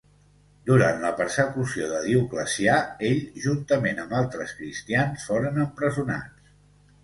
Durant la persecució de Dioclecià, ell, juntament amb altres cristians, foren empresonats.